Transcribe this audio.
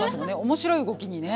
面白い動きにね。